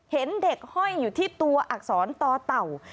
เห็นเด็กห้อยอยู่ที่ตัวอักษรต่อเต่า